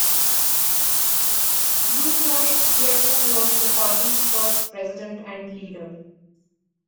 Euclide Chiasson was the party's first president and leader.